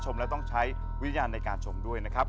แล้วต้องใช้วิญญาณในการชมด้วยนะครับ